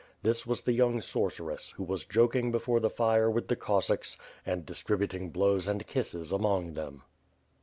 This was the young sorceress, who was joking before the fire with the Cossacks and distributing blows and kisses among them.